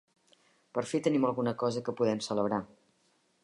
Per fi tenim alguna cosa que podem celebrar.